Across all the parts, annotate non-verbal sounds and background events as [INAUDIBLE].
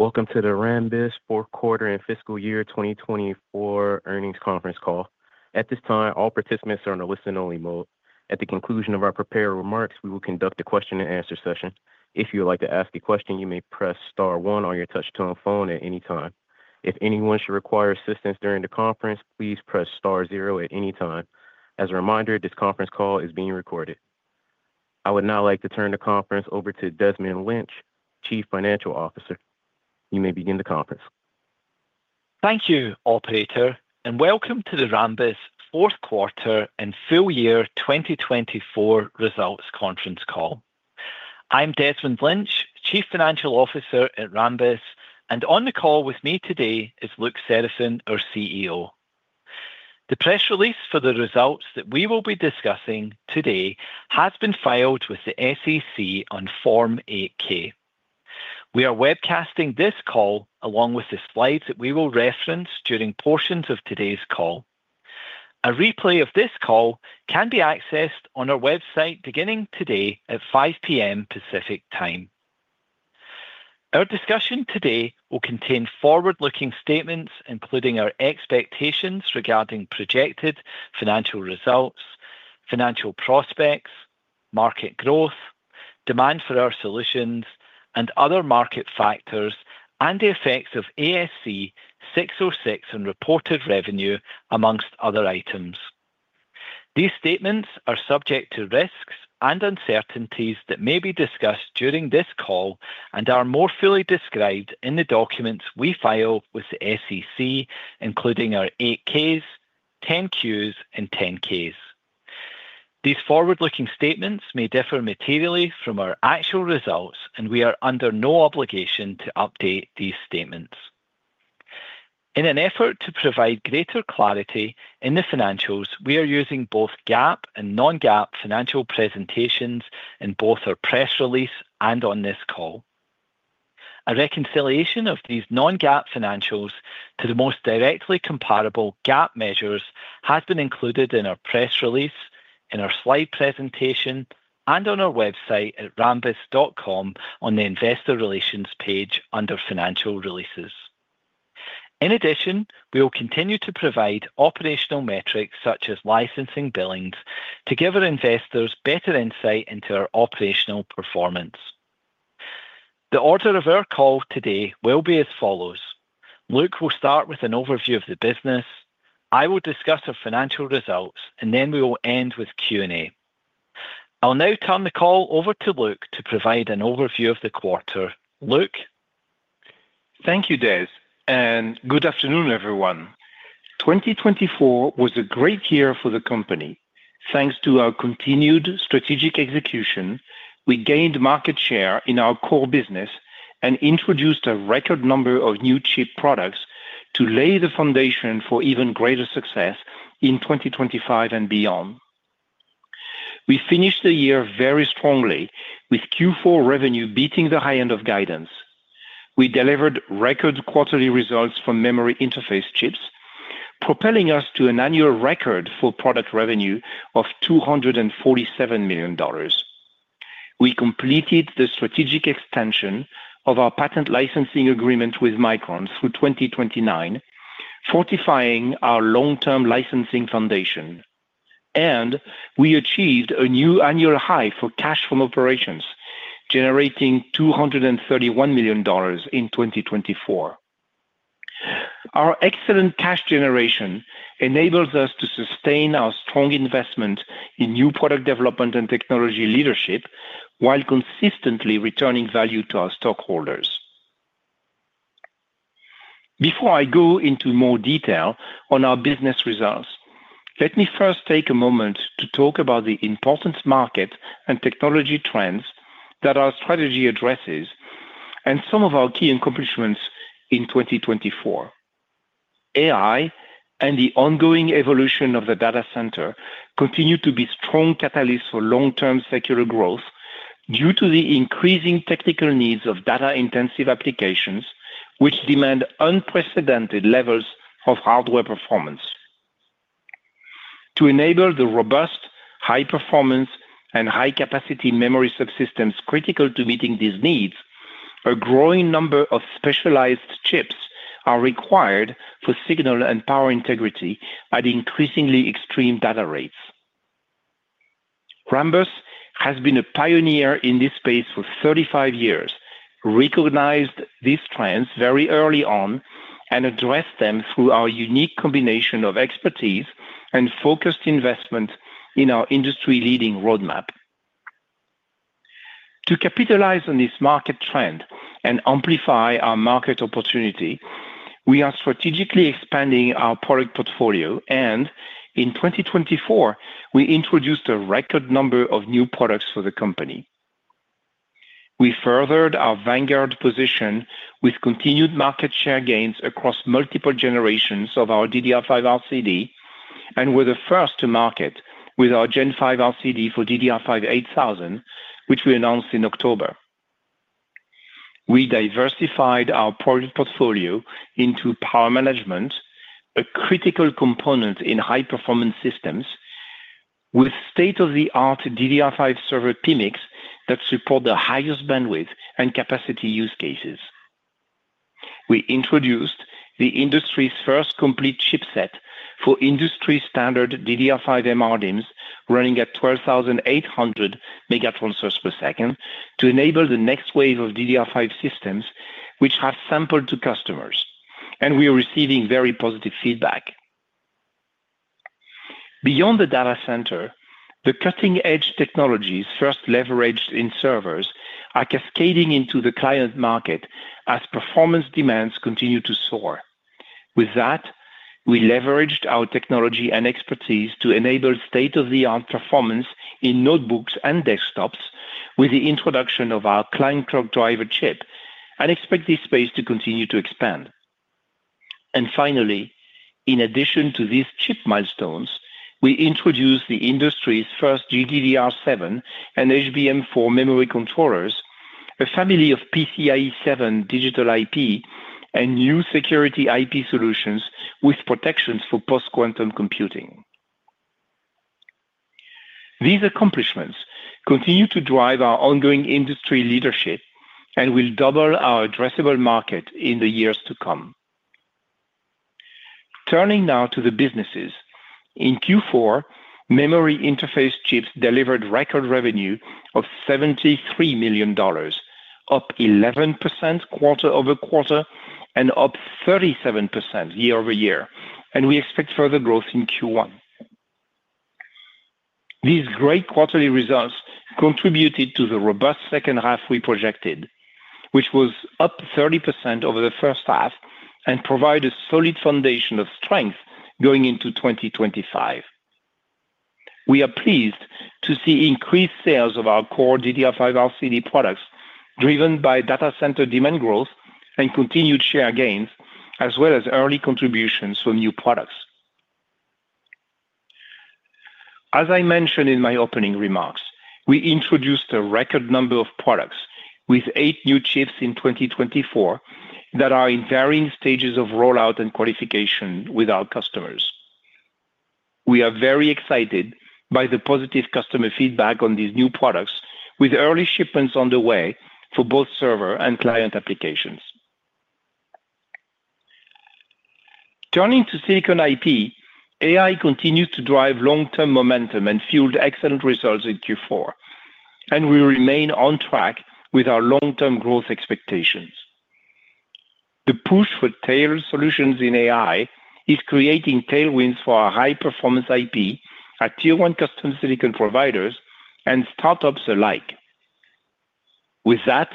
Welcome to the Rambus Fourth Quarter and Fiscal Year 2024 Earnings Conference Call. At this time, all participants are in a listen-only mode. At the conclusion of our prepared remarks, we will conduct a question-and-answer session. If you would like to ask a question, you may press star one on your touch-tone phone at any time. If anyone should require assistance during the conference, please press star zero at any time. As a reminder, this conference call is being recorded. I would now like to turn the conference over to Desmond Lynch, Chief Financial Officer. You may begin the conference. Thank you, Operator, and welcome to the Rambus Fourth Quarter and Full Year 2024 Results Conference Call. I'm Desmond Lynch, Chief Financial Officer at Rambus, and on the call with me today is Luc Seraphin, our CEO. The press release for the results that we will be discussing today has been filed with the SEC on Form 8-K. We are webcasting this call along with the slides that we will reference during portions of today's call. A replay of this call can be accessed on our website beginning today at 5:00 P.M. Pacific Time. Our discussion today will contain forward-looking statements, including our expectations regarding projected financial results, financial prospects, market growth, demand for our solutions, and other market factors, and the effects of ASC 606 on reported revenue, among other items. These statements are subject to risks and uncertainties that may be discussed during this call and are more fully described in the documents we file with the SEC, including our 8-Ks, 10-Qs, and 10-Ks. These forward-looking statements may differ materially from our actual results, and we are under no obligation to update these statements. In an effort to provide greater clarity in the financials, we are using both GAAP and non-GAAP financial presentations in both our press release and on this call. A reconciliation of these non-GAAP financials to the most directly comparable GAAP measures has been included in our press release, in our slide presentation, and on our website at rambus.com on the Investor Relations page under Financial Releases. In addition, we will continue to provide operational metrics such as licensing billings to give our investors better insight into our operational performance. The order of our call today will be as follows. Luc will start with an overview of the business. I will discuss our financial results, and then we will end with Q&A. I'll now turn the call over to Luc to provide an overview of the quarter. Luc. Thank you, Des, and good afternoon, everyone. 2024 was a great year for the company. Thanks to our continued strategic execution, we gained market share in our core business and introduced a record number of new chip products to lay the foundation for even greater success in 2025 and beyond. We finished the year very strongly, with Q4 revenue beating the high end of guidance. We delivered record quarterly results for memory interface chips, propelling us to an annual record for product revenue of $247 million. We completed the strategic extension of our patent licensing agreement with Micron through 2029, fortifying our long-term licensing foundation, and we achieved a new annual high for cash from operations, generating $231 million in 2024. Our excellent cash generation enables us to sustain our strong investment in new product development and technology leadership while consistently returning value to our stockholders. Before I go into more detail on our business results, let me first take a moment to talk about the important market and technology trends that our strategy addresses and some of our key accomplishments in 2024. AI and the ongoing evolution of the data center continue to be strong catalysts for long-term secular growth due to the increasing technical needs of data-intensive applications, which demand unprecedented levels of hardware performance. To enable the robust, high-performance, and high-capacity memory subsystems critical to meeting these needs, a growing number of specialized chips are required for signal and power integrity at increasingly extreme data rates. Rambus has been a pioneer in this space for 35 years, recognized these trends very early on, and addressed them through our unique combination of expertise and focused investment in our industry-leading roadmap. To capitalize on this market trend and amplify our market opportunity, we are strategically expanding our product portfolio, and in 2024, we introduced a record number of new products for the company. We furthered our Vanguard position with continued market share gains across multiple generations of our DDR5 RCD, and we're the first to market with our Gen5 RCD for DDR5 8000, which we announced in October. We diversified our product portfolio into power management, a critical component in high-performance systems, with state-of-the-art DDR5 server PMIC that support the highest bandwidth and capacity use cases. We introduced the industry's first complete chipset for industry-standard DDR5 MRDIMMs running at 12,800 MT/s to enable the next wave of DDR5 systems, which have sampled to customers, and we are receiving very positive feedback. Beyond the data center, the cutting-edge technologies first leveraged in servers are cascading into the client market as performance demands continue to soar. With that, we leveraged our technology and expertise to enable state-of-the-art performance in notebooks and desktops with the introduction of our Client Clock Driver chip, and expect this space to continue to expand. And finally, in addition to these chip milestones, we introduced the industry's first GDDR7 and HBM4 memory controllers, a family of PCIe 7.0 digital IP, and new security IP solutions with protections for post-quantum computing. These accomplishments continue to drive our ongoing industry leadership and will double our addressable market in the years to come. Turning now to the businesses, in Q4, memory interface chips delivered record revenue of $73 million, up 11% quarter-over-quarter and up 37% year-over-year, and we expect further growth in Q1. These great quarterly results contributed to the robust second half we projected, which was up 30% over the first half and provided a solid foundation of strength going into 2025. We are pleased to see increased sales of our core DDR5 RCD products driven by data center demand growth and continued share gains, as well as early contributions from new products. As I mentioned in my opening remarks, we introduced a record number of products with eight new chips in 2024 that are in varying stages of rollout and qualification with our customers. We are very excited by the positive customer feedback on these new products, with early shipments underway for both server and client applications. Turning to Silicon IP, AI continues to drive long-term momentum and fueled excellent results in Q4, and we remain on track with our long-term growth expectations. The push for tailored solutions in AI is creating tailwinds for our high-performance IP at tier-one custom silicon providers and startups alike. With that,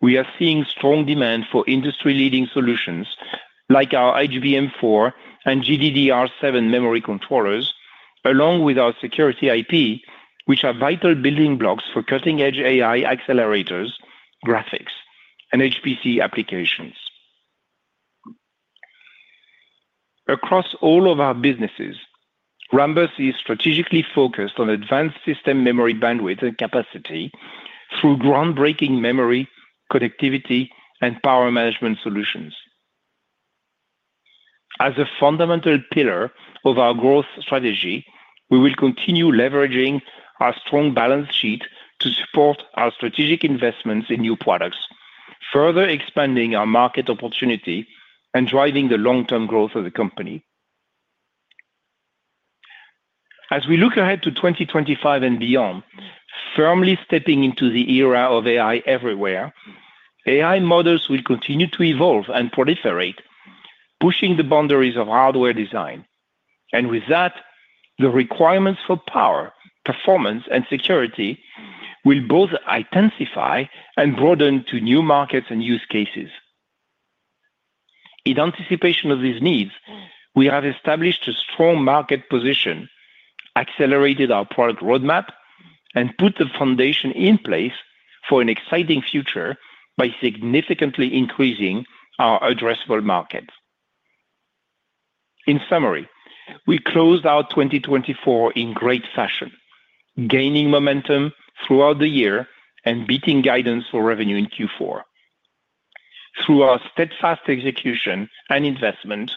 we are seeing strong demand for industry-leading solutions like our HBM4 and GDDR7 memory controllers, along with our security IP, which are vital building blocks for cutting-edge AI accelerators, graphics, and HPC applications. Across all of our businesses, Rambus is strategically focused on advanced system memory bandwidth and capacity through groundbreaking memory connectivity and power management solutions. As a fundamental pillar of our growth strategy, we will continue leveraging our strong balance sheet to support our strategic investments in new products, further expanding our market opportunity and driving the long-term growth of the company. As we look ahead to 2025 and beyond, firmly stepping into the era of AI everywhere, AI models will continue to evolve and proliferate, pushing the boundaries of hardware design. And with that, the requirements for power, performance, and security will both intensify and broaden to new markets and use cases. In anticipation of these needs, we have established a strong market position, accelerated our product roadmap, and put the foundation in place for an exciting future by significantly increasing our addressable markets. In summary, we closed our 2024 in great fashion, gaining momentum throughout the year and beating guidance for revenue in Q4. Through our steadfast execution and investment,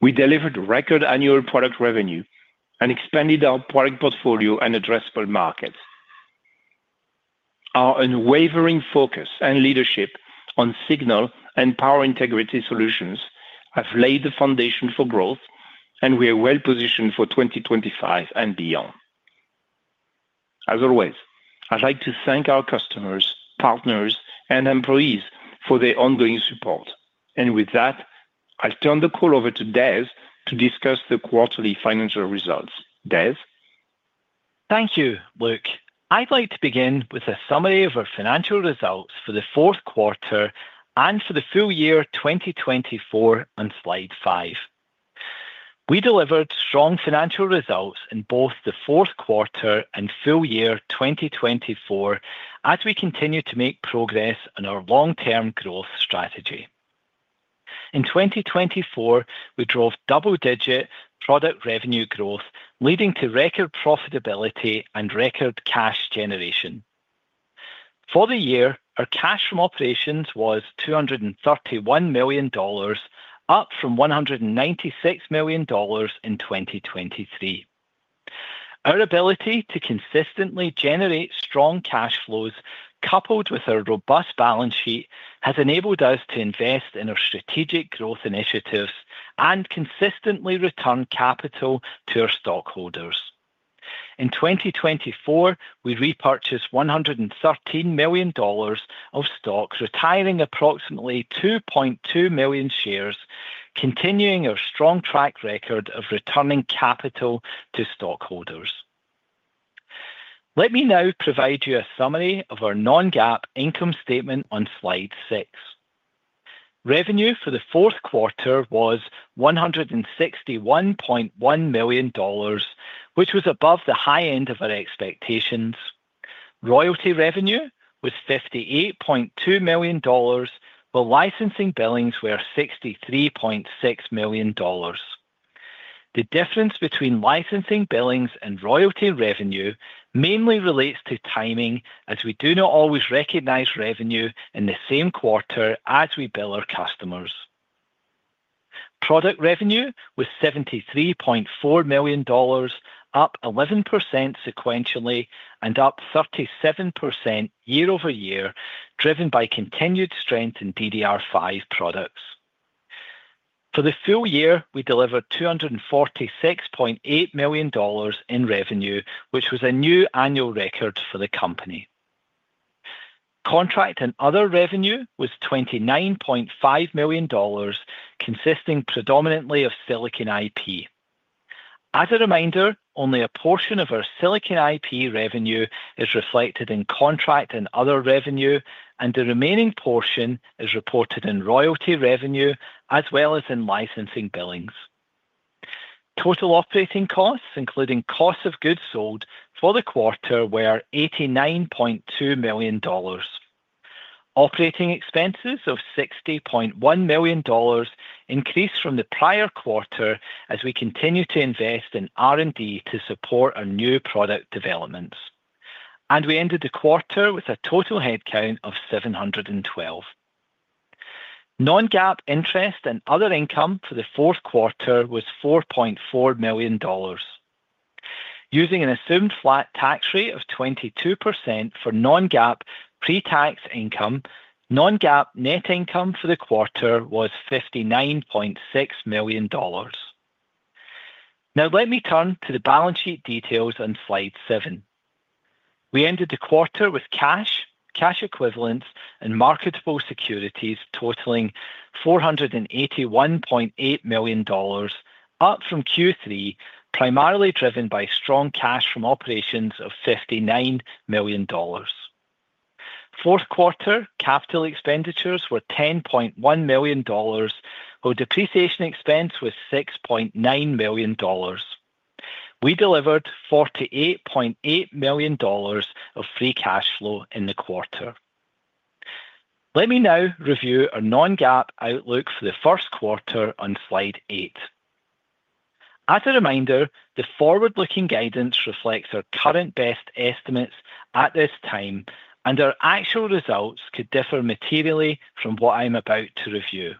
we delivered record annual product revenue and expanded our product portfolio and addressable markets. Our unwavering focus and leadership on signal and power integrity solutions have laid the foundation for growth, and we are well positioned for 2025 and beyond. As always, I'd like to thank our customers, partners, and employees for their ongoing support. And with that, I'll turn the call over to Des to discuss the quarterly financial results. Des? Thank you, Luc. I'd like to begin with a summary of our financial results for the fourth quarter and for the full year 2024 on slide five. We delivered strong financial results in both the fourth quarter and full year 2024 as we continue to make progress on our long-term growth strategy. In 2024, we drove double-digit product revenue growth, leading to record profitability and record cash generation. For the year, our cash from operations was $231 million, up from $196 million in 2023. Our ability to consistently generate strong cash flows, coupled with our robust balance sheet, has enabled us to invest in our strategic growth initiatives and consistently return capital to our stockholders. In 2024, we repurchased $113 million of stock, retiring approximately 2.2 million shares, continuing our strong track record of returning capital to stockholders. Let me now provide you a summary of our non-GAAP income statement on slide six. Revenue for the fourth quarter was $161.1 million, which was above the high end of our expectations. Royalty revenue was $58.2 million, while licensing billings were $63.6 million. The difference between licensing billings and royalty revenue mainly relates to timing, as we do not always recognize revenue in the same quarter as we bill our customers. Product revenue was $73.4 million, up 11% sequentially and up 37% year-over-year, driven by continued strength in DDR5 products. For the full year, we delivered $246.8 million in revenue, which was a new annual record for the company. Contract and other revenue was $29.5 million, consisting predominantly of Silicon IP. As a reminder, only a portion of our Silicon IP revenue is reflected in contract and other revenue, and the remaining portion is reported in royalty revenue as well as in licensing billings. Total operating costs, including cost of goods sold for the quarter, were $89.2 million. Operating expenses of $60.1 million increased from the prior quarter as we continue to invest in R&D to support our new product developments. We ended the quarter with a total headcount of 712. Non-GAAP interest and other income for the fourth quarter was $4.4 million. Using an assumed flat tax rate of 22% for non-GAAP pre-tax income, non-GAAP net income for the quarter was $59.6 million. Now, let me turn to the balance sheet details on slide seven. We ended the quarter with cash, cash equivalents, and marketable securities totaling $481.8 million, up from Q3, primarily driven by strong cash from operations of $59 million. Fourth quarter capital expenditures were $10.1 million, while depreciation expense was $6.9 million. We delivered $48.8 million of free cash flow in the quarter. Let me now review our Non-GAAP outlook for the first quarter on slide eight. As a reminder, the forward-looking guidance reflects our current best estimates at this time, and our actual results could differ materially from what I'm about to review.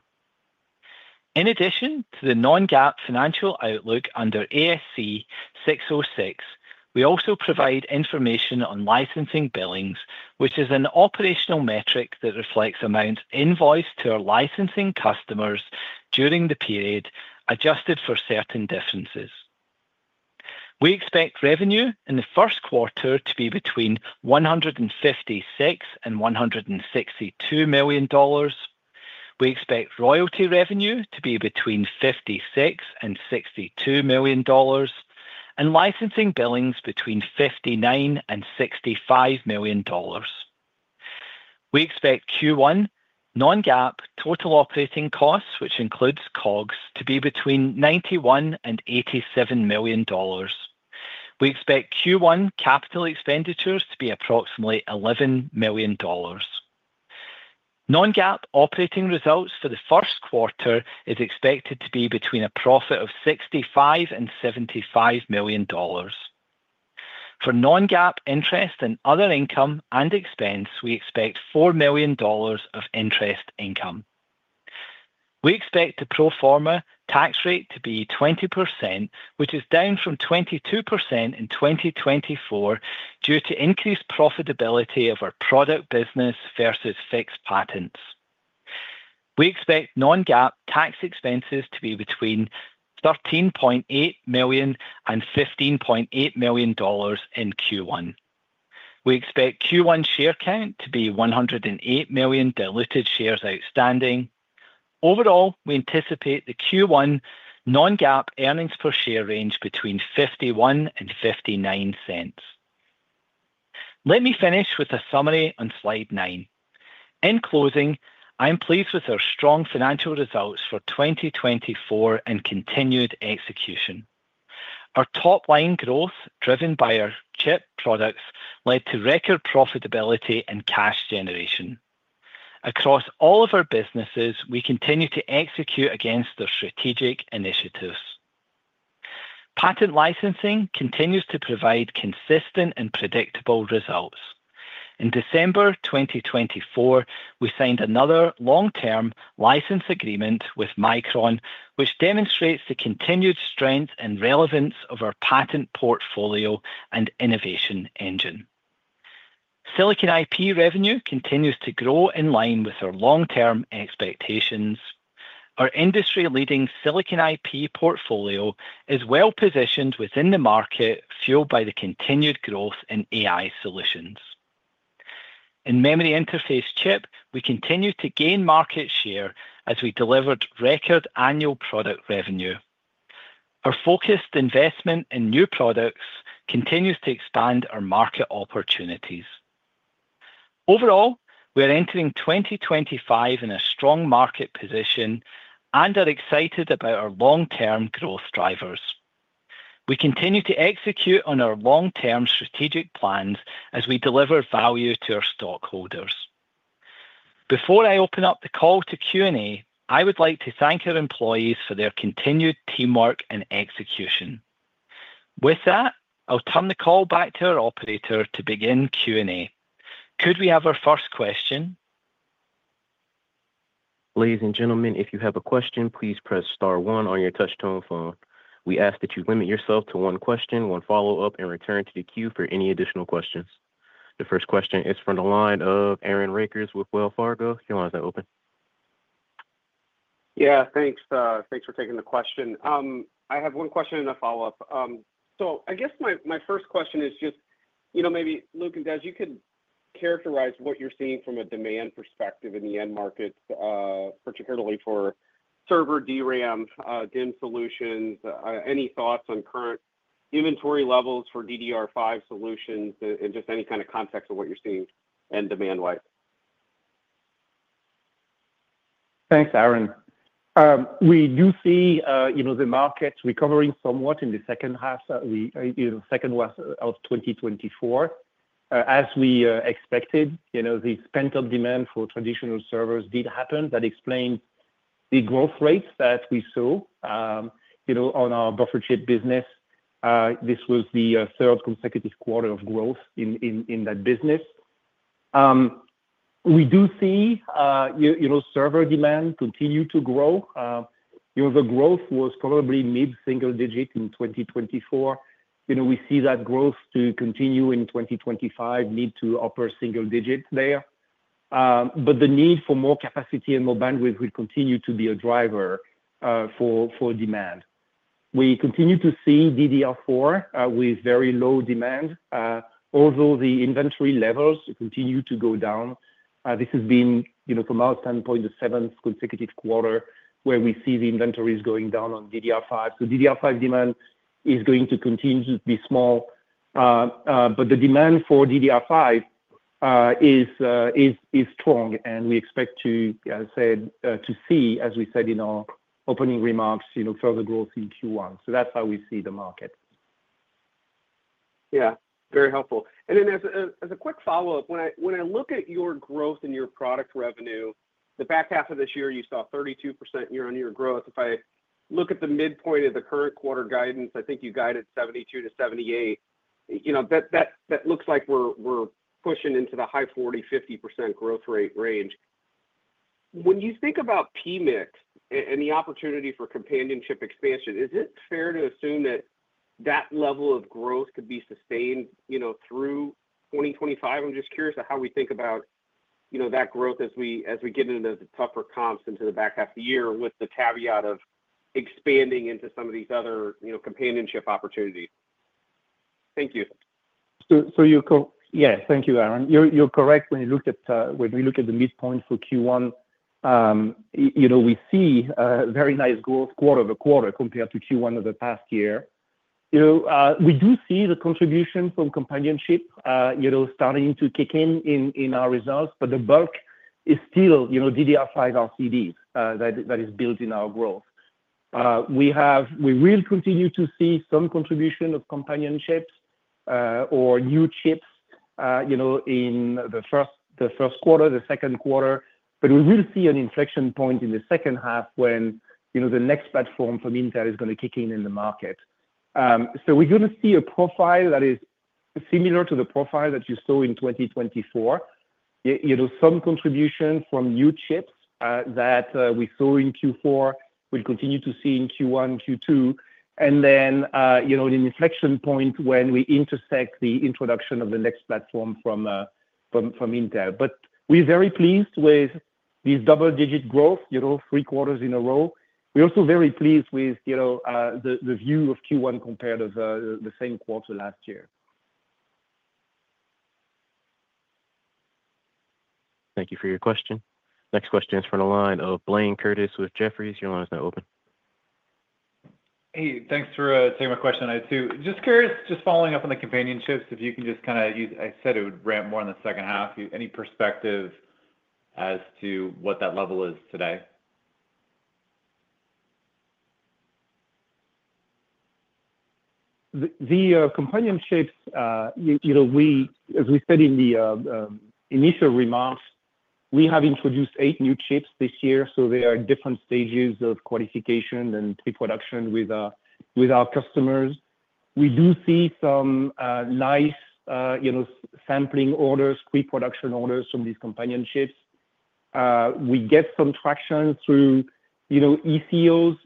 In addition to the Non-GAAP financial outlook under ASC 606, we also provide information on licensing billings, which is an operational metric that reflects amounts invoiced to our licensing customers during the period adjusted for certain differences. We expect revenue in the first quarter to be between $156 and $162 million. We expect royalty revenue to be between $56 and $62 million, and licensing billings between $59 and $65 million. We expect Q1 non-GAAP total operating costs, which includes COGS, to be between $91 and $87 million. We expect Q1 capital expenditures to be approximately $11 million. Non-GAAP operating results for the first quarter are expected to be between a profit of $65 and $75 million. For non-GAAP interest and other income and expense, we expect $4 million of interest income. We expect the pro forma tax rate to be 20%, which is down from 22% in 2024 due to increased profitability of our product business versus fixed patents. We expect non-GAAP tax expenses to be between $13.8 and $15.8 million in Q1. We expect Q1 share count to be 108 million diluted shares outstanding. Overall, we anticipate the Q1 non-GAAP earnings per share range between $0.51 and $0.59. Let me finish with a summary on slide nine. In closing, I'm pleased with our strong financial results for 2024 and continued execution. Our top-line growth, driven by our chip products, led to record profitability and cash generation. Across all of our businesses, we continue to execute against our strategic initiatives. Patent licensing continues to provide consistent and predictable results. In December 2024, we signed another long-term license agreement with Micron, which demonstrates the continued strength and relevance of our patent portfolio and innovation engine. Silicon IP revenue continues to grow in line with our long-term expectations. Our industry-leading Silicon IP portfolio is well positioned within the market, fueled by the continued growth in AI solutions. In memory interface chip, we continue to gain market share as we delivered record annual product revenue. Our focused investment in new products continues to expand our market opportunities. Overall, we are entering 2025 in a strong market position and are excited about our long-term growth drivers. We continue to execute on our long-term strategic plans as we deliver value to our stockholders. Before I open up the call to Q&A, I would like to thank our employees for their continued teamwork and execution. With that, I'll turn the call back to our operator to begin Q&A. Could we have our first question? Ladies and gentlemen, if you have a question, please press star one on your touch-tone phone. We ask that you limit yourself to one question, one follow-up, and return to the queue for any additional questions. The first question is from the line of Aaron Rakers with Wells Fargo. Do you want to open? Yeah, thanks. Thanks for taking the question. I have one question and a follow-up. So I guess my first question is just, you know, maybe, Luc and Des, you could characterize what you're seeing from a demand perspective in the end markets, particularly for server DRAM, DIMM solutions. Any thoughts on current inventory levels for DDR5 solutions and just any kind of context of what you're seeing and demand-wise? Thanks, Aaron. We do see, you know, the markets recovering somewhat in the second half, second half of 2024. As we expected, you know, the pent-up demand for traditional servers did happen. That explains the growth rates that we saw, you know, on our buffer chip business. This was the third consecutive quarter of growth in that business. We do see, you know, server demand continue to grow. You know, the growth was probably mid-single digit in 2024. You know, we see that growth to continue in 2025 into upper single digit there. But the need for more capacity and more bandwidth will continue to be a driver for demand. We continue to see DDR4 with very low demand, although the inventory levels continue to go down. This has been, you know, from our standpoint, the seventh consecutive quarter where we see the inventories going down on DDR5. So DDR5 demand is going to continue to be small, but the demand for DDR5 is strong, and we expect to, as I said, to see, as we said in our opening remarks, you know, further growth in Q1. So that's how we see the market. Yeah, very helpful. And then as a quick follow-up, when I look at your growth and your product revenue, the back half of this year, you saw 32% year-on-year growth. If I look at the midpoint of the current quarter guidance, I think you guided 72%-78%. You know, that looks like we're pushing into the high 40%-50% growth rate range. When you think about PMIC and the opportunity for complementary expansion, is it fair to assume that that level of growth could be sustained, you know, through 2025? I'm just curious how we think about, you know, that growth as we get into the tougher comps into the back half of the year with the caveat of expanding into some of these other, you know, complementary opportunities. Thank you. So you're correct. Yeah, thank you, Aaron. You're correct when we look at the midpoint for Q1, you know, we see a very nice growth quarter-over-quarter compared to Q1 of the past year. You know, we do see the contribution from companion, you know, starting to kick in in our results, but the bulk is still, you know, DDR5 RCDs that is building our growth. We will continue to see some contribution of companions or new chips, you know, in the first quarter, the second quarter, but we will see an inflection point in the second half when, you know, the next platform from Intel is going to kick in in the market. So we're going to see a profile that is similar to the profile that you saw in 2024. You know, some contribution from new chips that we saw in Q4, we'll continue to see in Q1, Q2, and then, you know, an inflection point when we intersect the introduction of the next platform from Intel. But we're very pleased with these double-digit growth, you know, three quarters in a row. We're also very pleased with, you know, the view of Q1 compared to the same quarter last year. Thank you for your question. Next question is from the line of Blayne Curtis with Jefferies. Your line is now open. Hey, thanks for taking my question on it too. Just curious, just following up on the companion chips, if you can just kind of you see, you said it would ramp more in the second half. Any perspective as to what that level is today? The companion chips, you know, we, as we said in the initial remarks, we have introduced eight new chips this year, so they are different stages of qualification and pre-production with our customers. We do see some nice, you know, sampling orders, pre-production orders from these companion chips. We get some traction through, you know, ECOs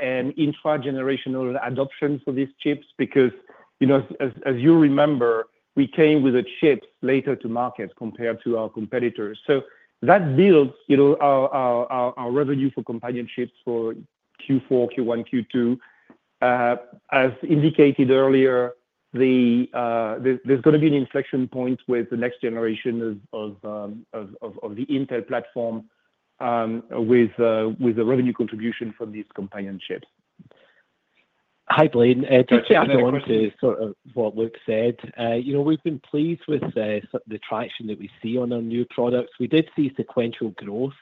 and intra-generational adoptions for these chips because, you know, as you remember, we came with the chips later to market compared to our competitors. So that builds, you know, our revenue for companion chips for Q4, Q1, Q2. As indicated earlier, there's going to be an inflection point with the next generation of the Intel platform with the revenue contribution from these companion chips. Hi, Blayne. I just want to sort of follow up what Luc said. You know, we've been pleased with the traction that we see on our new products. We did see sequential growth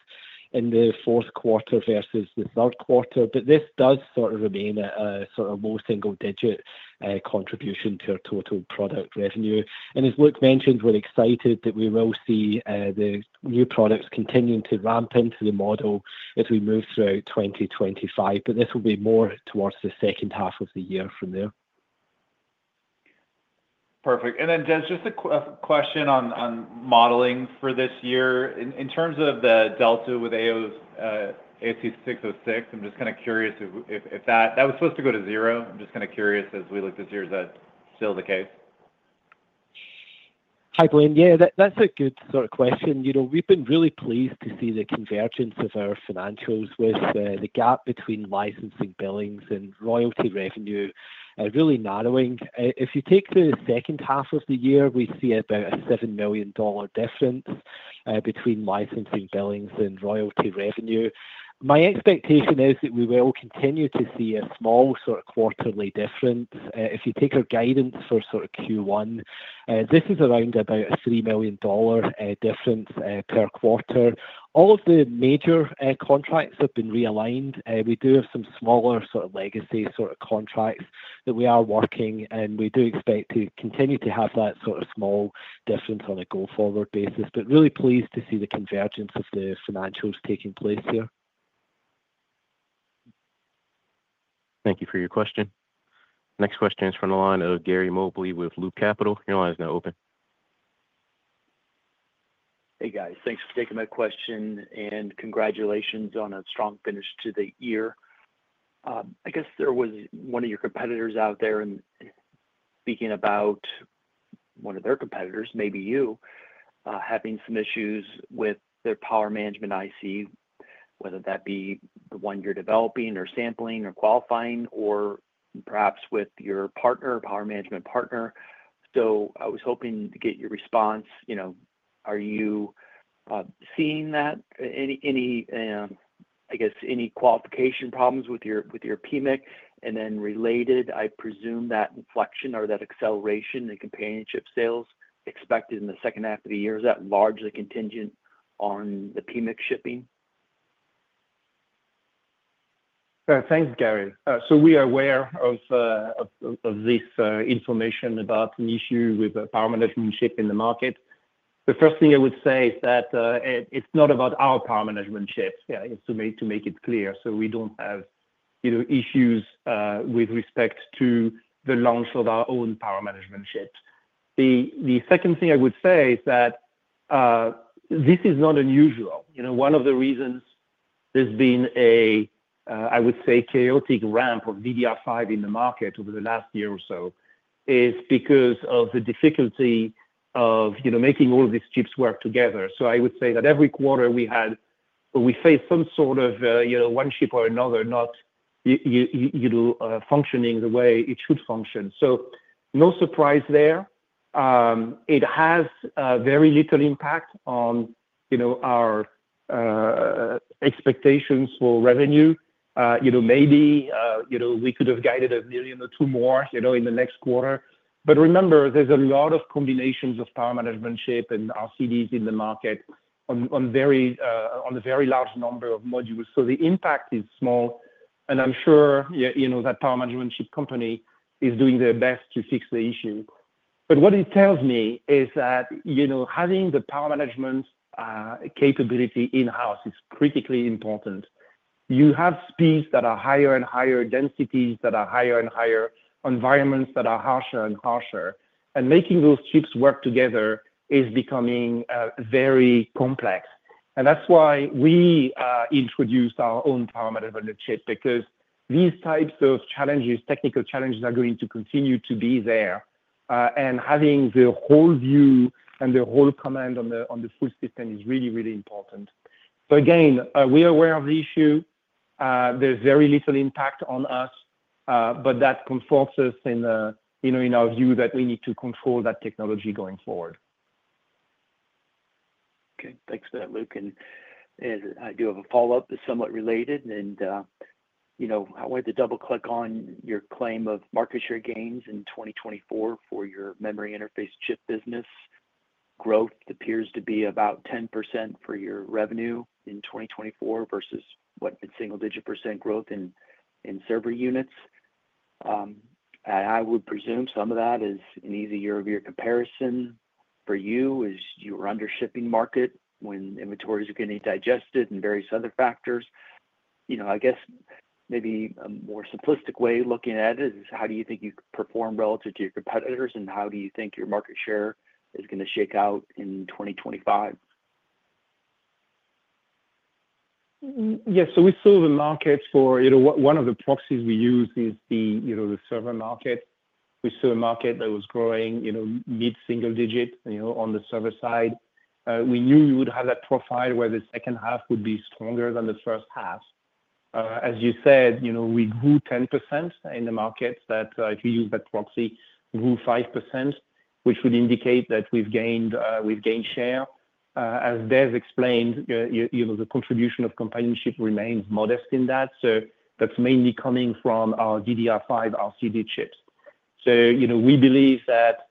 in the fourth quarter versus the third quarter, but this does sort of remain a sort of low single-digit contribution to our total product revenue. And as Luc mentioned, we're excited that we will see the new products continue to ramp into the model as we move throughout 2025, but this will be more towards the second half of the year from there. Perfect. And then, Des, just a question on modeling for this year. In terms of the delta with ASC 606, I'm just kind of curious if that was supposed to go to zero. I'm just kind of curious as we look this year, is that still the case? Hi, Blayne. Yeah, that's a good sort of question. You know, we've been really pleased to see the convergence of our financials with the gap between licensing billings and royalty revenue really narrowing. If you take the second half of the year, we see about a $7 million difference between licensing billings and royalty revenue. My expectation is that we will continue to see a small sort of quarterly difference. If you take our guidance for sort of Q1, this is around about a $3 million difference per quarter. All of the major contracts have been realigned. We do have some smaller sort of legacy sort of contracts that we are working, and we do expect to continue to have that sort of small difference on a go-forward basis, but really pleased to see the convergence of the financials taking place here. Thank you for your question. Next question is from the line of Gary Mobley with Loop Capital. Your line is now open. Hey, guys. Thanks for taking my question, and congratulations on a strong finish to the year. I guess there was one of your competitors out there speaking about one of their competitors, maybe you, having some issues with their power management IC, whether that be the one you're developing or sampling or qualifying or perhaps with your partner, power management partner. So I was hoping to get your response. You know, are you seeing that? Any, I guess, any qualification problems with your PMIC? And then related, I presume that inflection or that acceleration in companion chip sales expected in the second half of the year, is that largely contingent on the PMIC shipping? Thanks, Gary. So we are aware of this information about an issue with power management chip in the market. The first thing I would say is that it's not about our power management chips, to make it clear. So we don't have issues with respect to the launch of our own power management chips. The second thing I would say is that this is not unusual. You know, one of the reasons there's been a, I would say, chaotic ramp of DDR5 in the market over the last year or so is because of the difficulty of, you know, making all these chips work together. So I would say that every quarter we had, we faced some sort of, you know, one chip or another not functioning the way it should function. So no surprise there. It has very little impact on, you know, our expectations for revenue. You know, maybe, you know, we could have guided a million or two more, you know, in the next quarter. But remember, there's a lot of combinations of power management chip and RCDs in the market on a very large number of modules. So the impact is small, and I'm sure, you know, that power management chip company is doing their best to fix the issue. But what it tells me is that, you know, having the power management capability in-house is critically important. You have speeds that are higher and higher, densities that are higher and higher, environments that are harsher and harsher. And making those chips work together is becoming very complex. And that's why we introduced our own power management chip, because these types of challenges, technical challenges, are going to continue to be there. Having the whole view and the whole command on the full system is really, really important. Again, we are aware of the issue. There's very little impact on us, but that comforts us in our view that we need to control that technology going forward. Okay, thanks for that, Luc. I do have a follow-up that's somewhat related. You know, I wanted to double-click on your claim of market share gains in 2024 for your memory interface chip business. Growth appears to be about 10% for your revenue in 2024 versus what's been single-digit percent growth in server units. I would presume some of that is an easy year-over-year comparison for you as you were under-shipping the market when inventories are getting digested and various other factors. You know, I guess maybe a more simplistic way of looking at it is how do you think you perform relative to your competitors and how do you think your market share is going to shake out in 2025? Yeah, so we saw the market for, you know, one of the proxies we used is the, you know, the server market. We saw a market that was growing, you know, mid-single digit, you know, on the server side. We knew we would have that profile where the second half would be stronger than the first half. As you said, you know, we grew 10% in the market that, if you use that proxy, grew 5%, which would indicate that we've gained share. As Des explained, you know, the contribution of chip and IP remains modest in that. So that's mainly coming from our DDR5 RCD chips. So, you know, we believe that,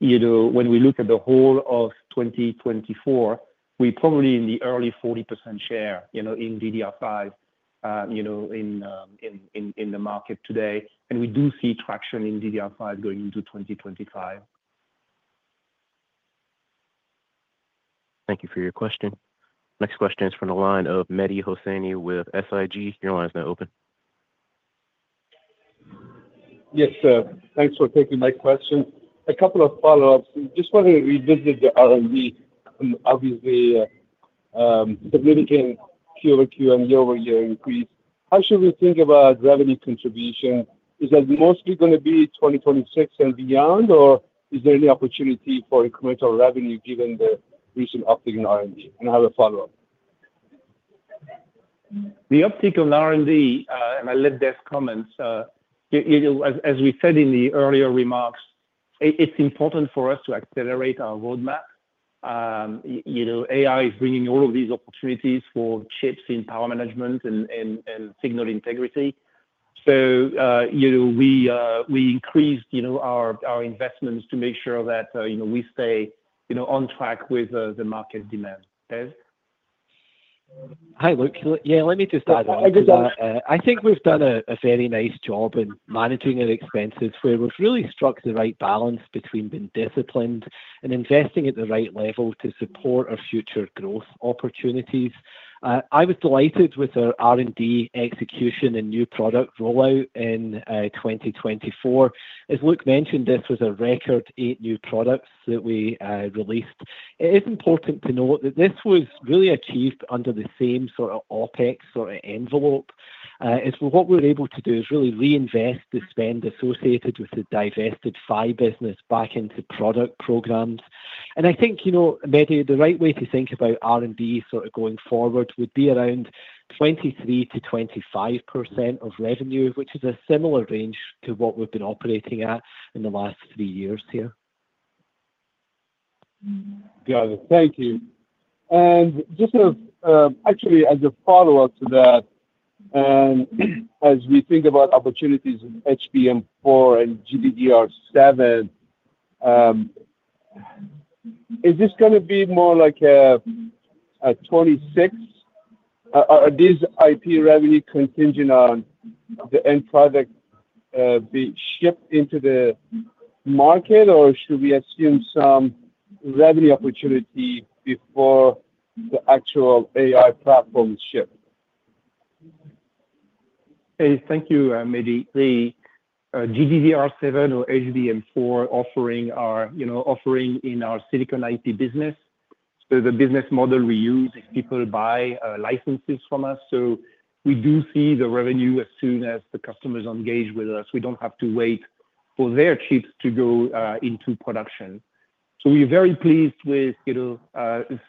you know, when we look at the whole of 2024, we're probably in the early 40% share, you know, in DDR5, you know, in the market today. And we do see traction in DDR5 going into 2025. Thank you for your question. Next question is from the line of Mehdi Hosseini with SIG. Your line is now open. Yes, sir. Thanks for taking my question. A couple of follow-ups. Just wanted to revisit the R&D. Obviously, significant Q-over-Q and year-over-year increase. How should we think about revenue contribution? Is that mostly going to be 2026 and beyond, or is there any opportunity for incremental revenue given the recent uptick in R&D? And I have a follow-up. The uptick in R&D, and I'll let Des comment. As we said in the earlier remarks, it's important for us to accelerate our roadmap. You know, AI is bringing all of these opportunities for chips in power management and signal integrity. So, you know, we increased, you know, our investments to make sure that, you know, we stay, you know, on track with the market demand. Hi, Luc. Yeah, let me just add on. I think we've done a fairly nice job in managing our expenses where we've really struck the right balance between being disciplined and investing at the right level to support our future growth opportunities. I was delighted with our R&D execution and new product rollout in 2024. As Luc mentioned, this was a record eight new products that we released. It is important to note that this was really achieved under the same sort of OpEx sort of envelope. What we're able to do is really reinvest the spend associated with the divested FI business back into product programs. And I think, you know, Mehdi, the right way to think about R&D sort of going forward would be around 23%-25% of revenue, which is a similar range to what we've been operating at in the last three years here. Got it. Thank you. And just sort of actually as a follow-up to that, as we think about opportunities in HBM4 and GDDR7, is this going to be more like a 26? Are these IP revenue contingent on the end product being shipped into the market, or should we assume some revenue opportunity before the actual AI platform chip? Hey, thank you, Mehdi. The GDDR7 or HBM4 offering in our Silicon IP business, so the business model we use is people buy licenses from us. So we do see the revenue as soon as the customers engage with us. We don't have to wait for their chips to go into production. So we're very pleased with, you know,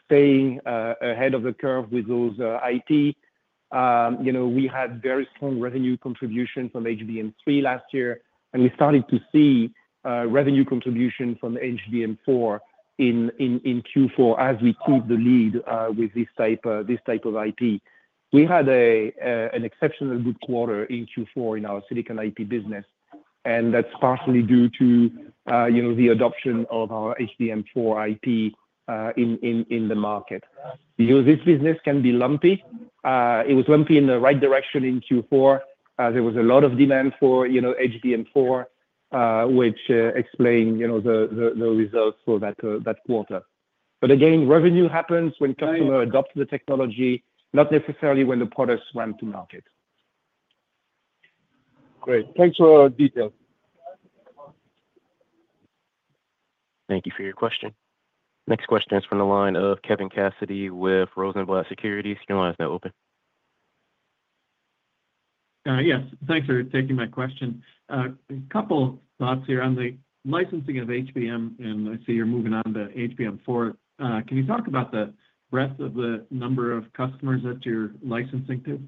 staying ahead of the curve with those IP. You know, we had very strong revenue contribution from HBM3 last year, and we started to see revenue contribution from HBM4 in Q4 as we keep the lead with this type of IP. We had an exceptionally good quarter in Q4 in our Silicon IP business, and that's partially due to, you know, the adoption of our HBM4 IP in the market. You know, this business can be lumpy. It was lumpy in the right direction in Q4. There was a lot of demand for, you know, HBM4, which explained, you know, the results for that quarter. But again, revenue happens when customers adopt the technology, not necessarily when the products run to market. Great. Thanks for all the details. Thank you for your question. Next question is from the line of Kevin Cassidy with Rosenblatt Securities. Your line is now open. Yes, thanks for taking my question. A couple of thoughts here on the licensing of HBM, and I see you're moving on to HBM4. Can you talk about the breadth of the number of customers that you're licensing to?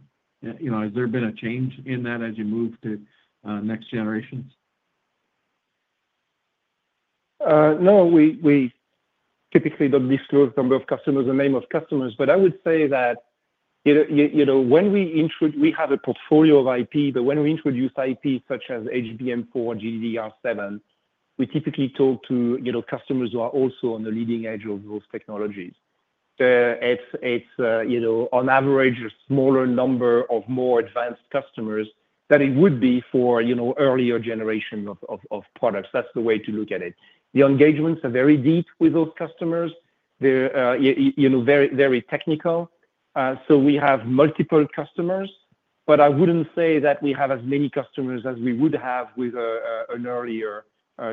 You know, has there been a change in that as you move to next generations? No, we typically don't disclose the number of customers or name of customers, but I would say that, you know, when we have a portfolio of IP, but when we introduce IP such as HBM4, GDDR7, we typically talk to, you know, customers who are also on the leading edge of those technologies. It's, you know, on average, a smaller number of more advanced customers than it would be for, you know, earlier generations of products. That's the way to look at it. The engagements are very deep with those customers. They're, you know, very technical. So we have multiple customers, but I wouldn't say that we have as many customers as we would have with an earlier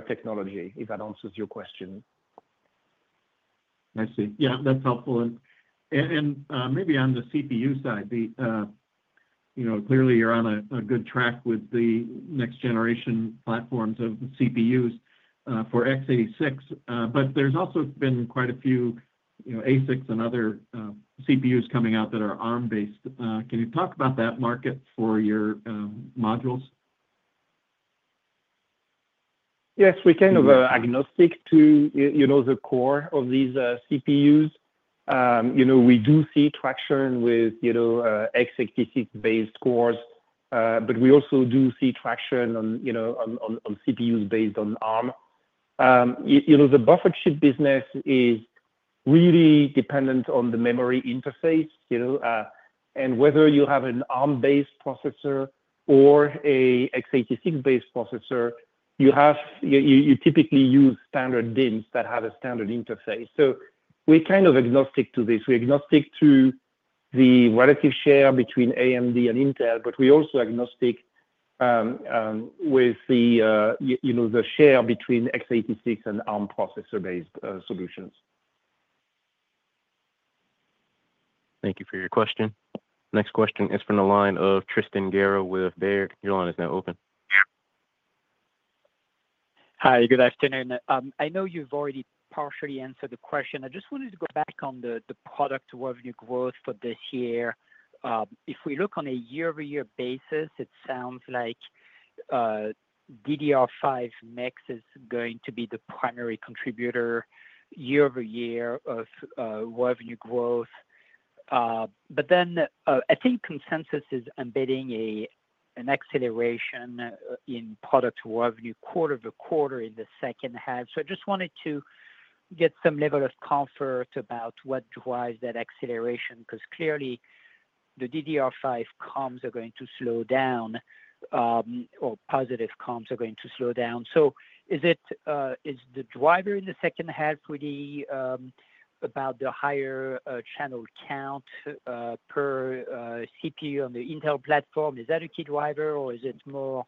technology, if that answers your question. I see. Yeah, that's helpful. And maybe on the CPU side, you know, clearly you're on a good track with the next generation platforms of CPUs for x86, but there's also been quite a few ASICs and other CPUs coming out that are ARM-based. Can you talk about that market for your modules? Yes, we're kind of agnostic to, you know, the core of these CPUs. You know, we do see traction with, you know, x86-based cores, but we also do see traction on, you know, on CPUs based on ARM. You know, the buffered chip business is really dependent on the memory interface, you know, and whether you have an ARM-based processor or an x86-based processor, you typically use standard DIMMs that have a standard interface. So we're kind of agnostic to this. We're agnostic to the relative share between AMD and Intel, but we're also agnostic with the, you know, the share between x86 and ARM processor-based solutions. Thank you for your question. Next question is from the line of Tristan Gerra with Baird. Your line is now open. Hi, good afternoon. I know you've already partially answered the question. I just wanted to go back on the product revenue growth for this year. If we look on a year-over-year basis, it sounds like DDR5 mix is going to be the primary contributor year-over-year of revenue growth. But then I think consensus is embedding an acceleration in product revenue quarter-over-quarter in the second half. So I just wanted to get some level of comfort about what drives that acceleration, because clearly the DDR5 comps are going to slow down, or positive comps are going to slow down. So is the driver in the second half really about the higher channel count per CPU on the Intel platform? Is that a key driver, or is it more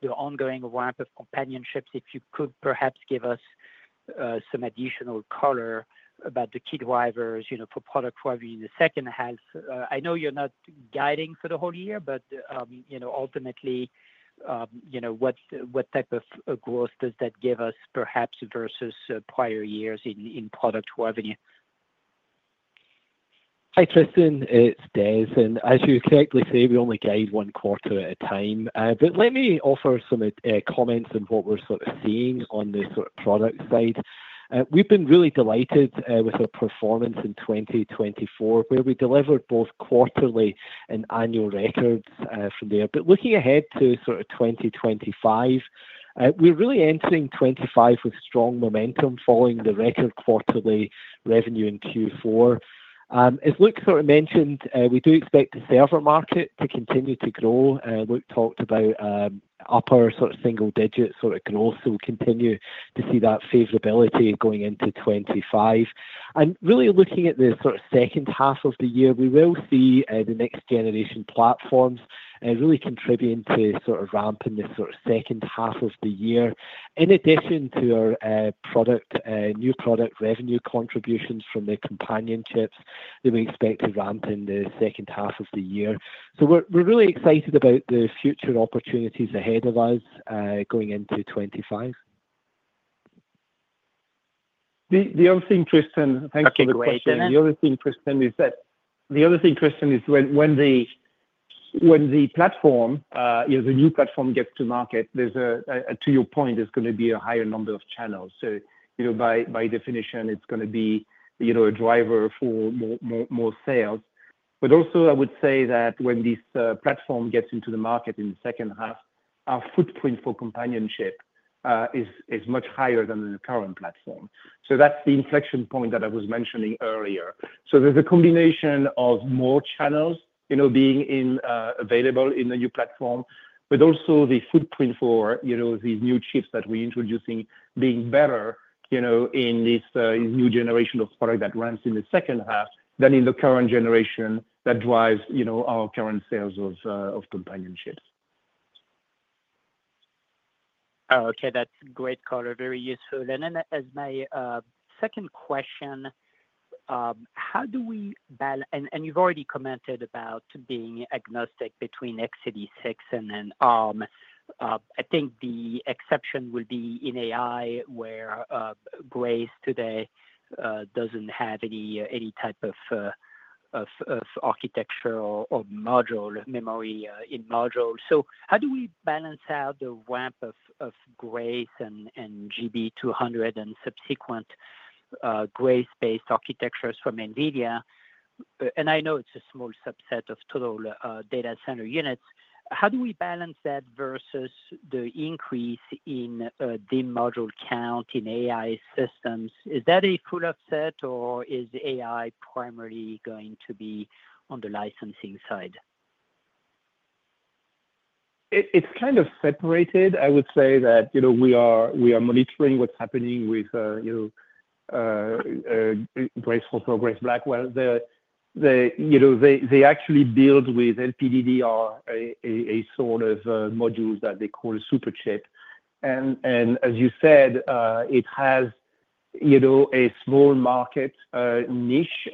the ongoing ramp of companion chips? If you could perhaps give us some additional color about the key drivers, you know, for product revenue in the second half. I know you're not guiding for the whole year, but, you know, ultimately, you know, what type of growth does that give us perhaps versus prior years in product revenue? Hi, Tristan. It's Des. And as you correctly say, we only guide one quarter at a time. But let me offer some comments on what we're sort of seeing on the sort of product side. We've been really delighted with our performance in 2024, where we delivered both quarterly and annual records from there. But looking ahead to sort of 2025, we're really entering 2025 with strong momentum following the record quarterly revenue in Q4. As Luc sort of mentioned, we do expect the server market to continue to grow. Luc talked about upper sort of single-digit sort of growth, so we'll continue to see that favorability going into 2025. Really looking at the sort of second half of the year, we will see the next generation platforms really contributing to sort of ramping the sort of second half of the year, in addition to our new product revenue contributions from the companion chips that we expect to ramp in the second half of the year. So we're really excited about the future opportunities ahead of us going into 2025. The other thing, Tristan, thanks for the question. [CROSSTALK] The other thing, Tristan, is that the other thing, Tristan, is when the platform, you know, the new platform gets to market, there's a, to your point, there's going to be a higher number of channels. So, you know, by definition, it's going to be, you know, a driver for more sales. But also, I would say that when this platform gets into the market in the second half, our footprint for companion is much higher than the current platform. So that's the inflection point that I was mentioning earlier. So there's a combination of more channels, you know, being available in the new platform, but also the footprint for, you know, these new chips that we're introducing being better, you know, in this new generation of product that runs in the second half than in the current generation that drives, you know, our current sales of companions. Okay, that's great color. Very useful. And then as my second question, how do we balance, and you've already commented about being agnostic between x86 and then ARM. I think the exception will be in AI, where Grace today doesn't have any type of architecture or modular memory interface module. So how do we balance out the ramp of Grace and GB200 and subsequent Grace-based architectures from NVIDIA? And I know it's a small subset of total data center units. How do we balance that versus the increase in DIMM module count in AI systems? Is that a full offset, or is AI primarily going to be on the licensing side? It's kind of separated. I would say that, you know, we are monitoring what's happening with, you know, Grace for Grace Blackwell. You know, they actually build with LPDDR a sort of module that they call a superchip. And as you said, it has, you know, a small market niche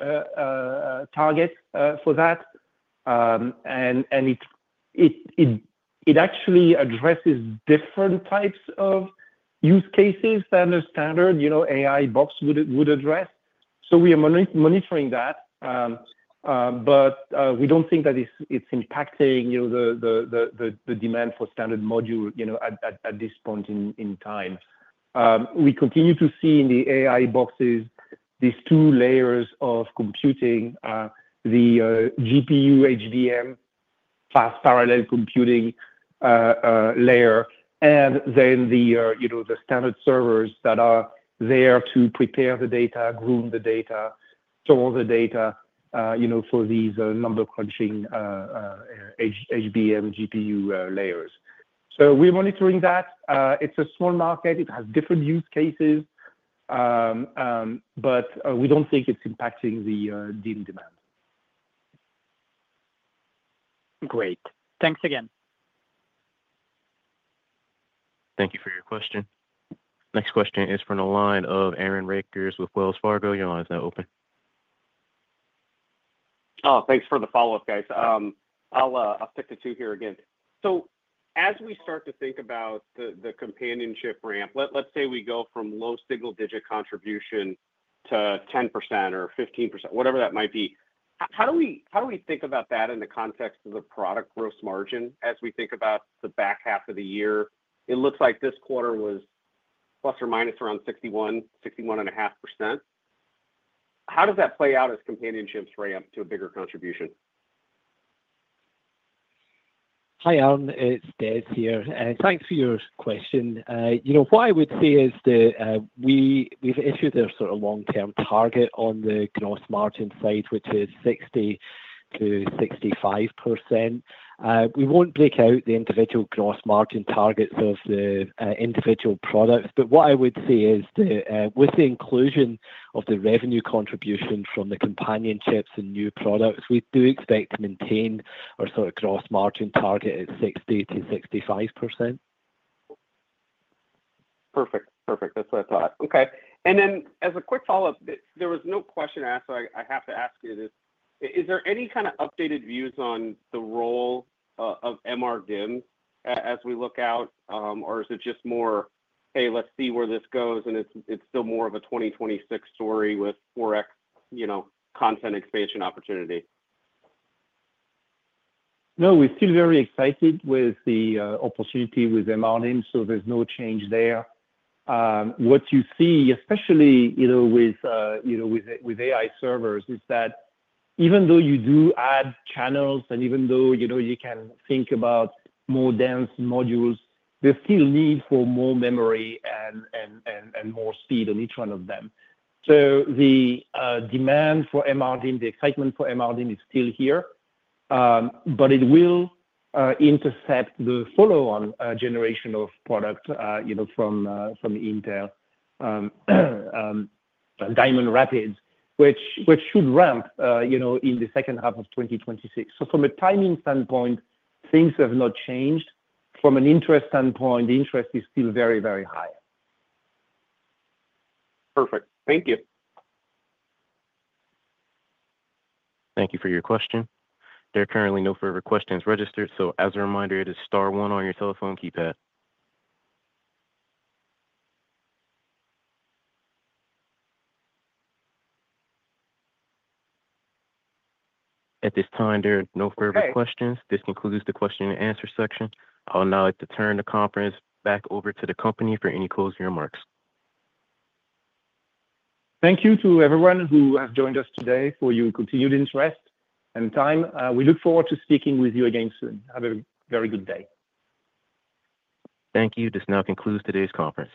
target for that. And it actually addresses different types of use cases than a standard, you know, AI box would address. So we are monitoring that, but we don't think that it's impacting, you know, the demand for standard module, you know, at this point in time. We continue to see in the AI boxes these two layers of computing, the GPU HBM fast parallel computing layer, and then the, you know, the standard servers that are there to prepare the data, groom the data, store the data, you know, for these number crunching HBM GPU layers. So we're monitoring that. It's a small market. It has different use cases, but we don't think it's impacting the DIMM demand. Great. Thanks again. Thank you for your question. Next question is from the line of Aaron Rakers with Wells Fargo. Your line is now open. Oh, thanks for the follow-up, guys. I'll stick to two here again. So as we start to think about the CXL ramp, let's say we go from low single-digit contribution to 10% or 15%, whatever that might be, how do we think about that in the context of the product gross margin as we think about the back half of the year? It looks like this quarter was plus or minus around 61-61.5%. How does that play out as CXL ramps to a bigger contribution? Hi, Aaron. It's Des here. And thanks for your question. You know, what I would say is that we've issued a sort of long-term target on the gross margin side, which is 60%-65%. We won't break out the individual gross margin targets of the individual products, but what I would say is that with the inclusion of the revenue contribution from the companion chips and new products, we do expect to maintain our sort of gross margin target at 60%-65%. Perfect. Perfect. That's what I thought. Okay. And then as a quick follow-up, there was no question asked, so I have to ask you this. Is there any kind of updated views on the role of MRDIMM as we look out, or is it just more, hey, let's see where this goes, and it's still more of a 2026 story with 4x, you know, constant expansion opportunity? No, we're still very excited with the opportunity with MRDIMM, so there's no change there. What you see, especially, you know, with AI servers, is that even though you do add channels and even though, you know, you can think about more dense modules, there's still need for more memory and more speed on each one of them. So the demand for MRDIMM, the excitement for MRDIMM is still here, but it will intercept the follow-on generation of product, you know, from Intel, Diamond Rapids, which should ramp, you know, in the second half of 2026. So from a timing standpoint, things have not changed. From an interest standpoint, the interest is still very, very high. Perfect. Thank you. Thank you for your question. There are currently no further questions registered. So as a reminder, it is Star one on your telephone keypad. At this time, there are no further questions. This concludes the question and answer section. I'll now like to turn the conference back over to the company for any closing remarks. Thank you to everyone who has joined us today for your continued interest and time. We look forward to speaking with you again soon. Have a very good day. Thank you. This now concludes today's conference.